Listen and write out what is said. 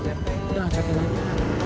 udah cantik banget